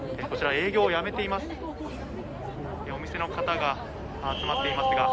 こちら、営業をやめています。